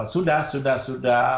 sudah sudah sudah